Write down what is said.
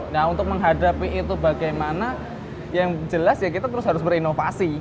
nah untuk menghadapi itu bagaimana yang jelas ya kita terus harus berinovasi